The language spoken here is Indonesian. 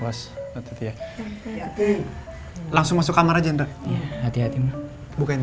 was et makasih langsung masuk kamar aja nernyata ya hati hatimu bikin ya